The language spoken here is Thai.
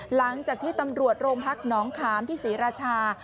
หลังจากที่ตำรวจโรงพักหนองขามที่ศรีราชา